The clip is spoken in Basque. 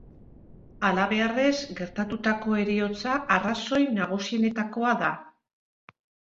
Halabeharrez gertatutako heriotza arrazoi nagusienetakoa da.